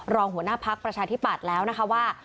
หัวหน้าพักประชาธิปัตย์แล้วนะคะว่า